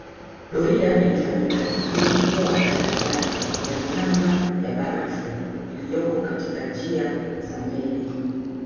Doria ilifanyika ili kutoa tahadhari ya miamba ya barafu iliyo katika njia za meli